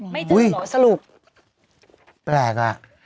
ไม่เจอเหรอสรุปแปลกอ่ะ